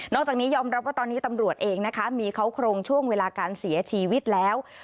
จากนี้ยอมรับว่าตอนนี้ตำรวจเองนะคะมีเขาโครงช่วงเวลาการเสียชีวิตแล้ว